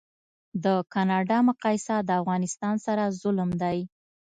د کانادا مقایسه د افغانستان سره ظلم دی